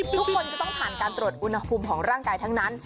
ทุกคนจะต้องผ่านการตรวจอุณหภูมิของร่างกายทั้งนั้น